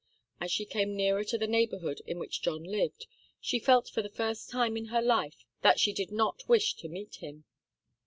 As she came nearer to the neighbourhood in which John lived, she felt for the first time in her life that she did not wish to meet him.